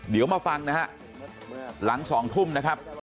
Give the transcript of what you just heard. เดี๋ยวมาฟังนะฮะหลัง๒ทุ่มนะครับ